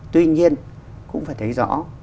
tuy nhiên cũng phải thấy rõ